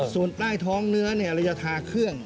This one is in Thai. ส่วนใต้ท้องเนื้อเราจะทาเครื่อง